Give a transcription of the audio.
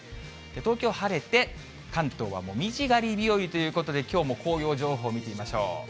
東京、晴れて、関東は紅葉狩り日和ということできょうも紅葉情報、見てみましょう。